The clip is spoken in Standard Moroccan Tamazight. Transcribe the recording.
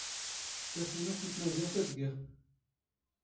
ⵜⴰⵙⵍⵎⴰⴷⵜ ⵏ ⵜⵎⴰⵣⵉⵖⵜ ⴰⴷ ⴳⵉⵖ.